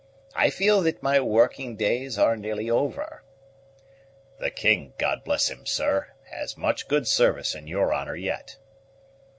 I feel that my working days are nearly over." "The king, God bless him! sir, has much good service in your honor yet."